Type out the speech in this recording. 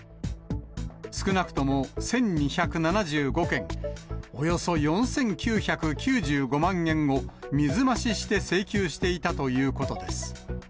少なくとも１２７５件、およそ４９９５万円を水増しして請求していたということです。